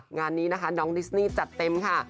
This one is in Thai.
งานนี้นะคะน้องดิสนี่จัดเต็มค่ะ